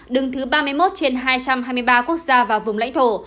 đứng thứ ba mươi một trên hai trăm hai mươi ba quốc gia và vùng lãnh thổ